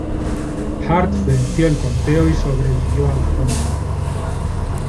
Hart venció el conteo y sobrevivió a la ronda.